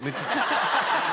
ハハハハ！